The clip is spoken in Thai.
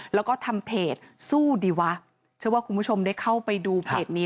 แล้วก็ทำเพจสู้ดีวะเชื่อว่าคุณผู้ชมได้เข้าไปดูเพจนี้